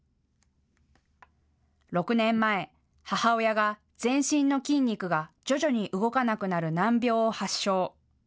６年前、母親が全身の筋肉が徐々に動かなくなる難病を発症。